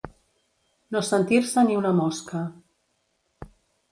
No sentir-se ni una mosca.